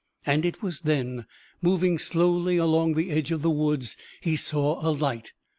And it was then, moving slowly along the edge of the woods, he saw a light.